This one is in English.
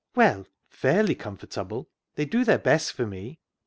" Well, fairly comfortable ; they do their best for me."